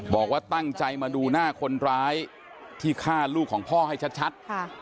บอกว่าตั้งใจมาดูหน้าคนร้ายที่ฆ่าลูกของพ่อให้ชัด